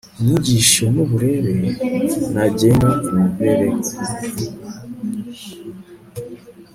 inyigisho n uburere n agenga imibereho